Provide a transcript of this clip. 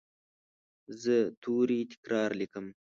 زه توري تکرار لیکم.